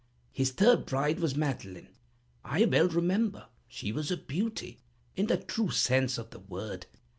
His third bride was Madeleine. I well remember her. She was a beauty, in the true sense of the word.